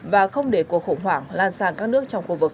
và không để cuộc khủng hoảng lan sang các nước trong khu vực